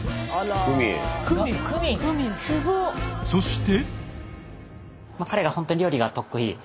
そして。